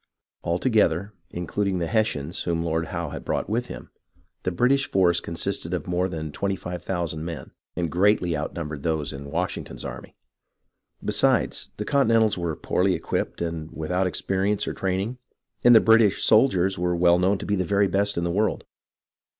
All together, including the Hessians whom Lord Howe had brought with him, the British forces consisted of more than twenty five thousand men, and greatly outnumbered those in Washington's army. Besides, the Continentals were poorly equipped and without experience or training, and the British soldiers were well known to be the very best in the world.